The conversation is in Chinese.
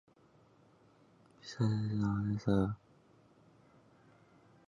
比赛设最佳老棋手。